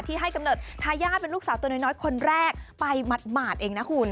ให้กำเนิดทายาทเป็นลูกสาวตัวน้อยคนแรกไปหมาดเองนะคุณ